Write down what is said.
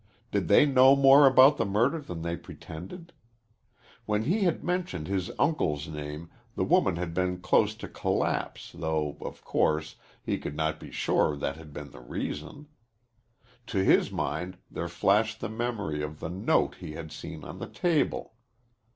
Did they know more about the murder than they pretended? When he had mentioned his uncle's name the woman had been close to collapse, though, of course, he could not be sure that had been the reason. To his mind there flashed the memory of the note he had seen on the table.